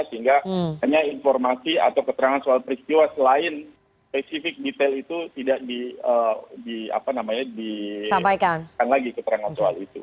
sehingga hanya informasi atau keterangan soal peristiwa selain spesifik detail itu tidak di apa namanya di sampaikan lagi keterangan soal itu